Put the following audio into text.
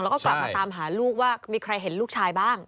แล้วก็กลับมาตามหาลูกว่ามีใครเห็นลูกชายบ้าง